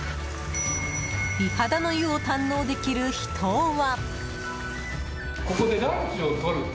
美肌の湯を堪能できる秘湯は。